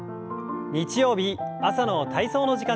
日曜日朝の体操の時間です。